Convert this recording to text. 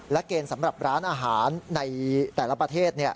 และเกณฑ์สำหรับร้านอาหารในแต่ละประเทศ